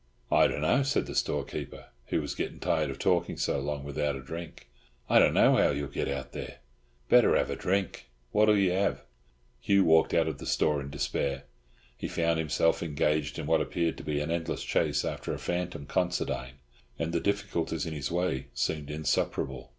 "I dunno," said the storekeeper, who was getting tired of talking so long without a drink. "I dunno how you'll get out there. Better have a drink—what'll you have?" Hugh walked out of the store in despair. He found himself engaged in what appeared to be an endless chase after a phantom Considine, and the difficulties in his way semed insuperable.